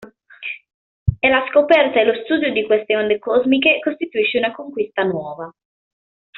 E la scoperta e lo studio di queste onde cosmiche costituisce una conquista nuova.